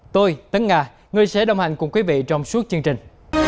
tôi tấn nga người sẽ đồng hành cùng quý vị trong suốt chương trình